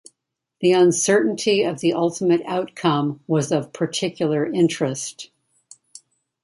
The uncertainty of the ultimate outcome was of particular interest.